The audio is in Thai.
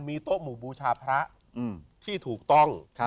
มีโต๊ะหมู่บูชาพระที่ถูกต้อง